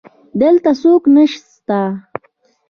دلته څوک نسته